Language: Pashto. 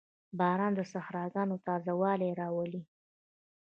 • باران د صحراګانو تازهوالی راولي.